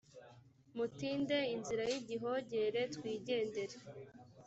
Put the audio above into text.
mutinde inzira y igihogere twigendere